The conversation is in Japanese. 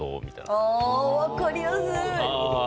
ああわかりやすい！